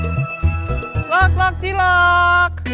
cilak cilak cilak